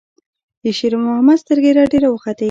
د شېرمحمد سترګې رډې راوختې.